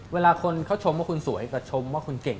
เวลาคนเขาชมว่าคุณสวยกับชมว่าคุณเก่ง